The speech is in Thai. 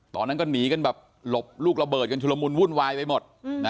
ตอนนั้นก็หนีกันแบบหลบลูกระเบิดกันชุลมุนวุ่นวายไปหมด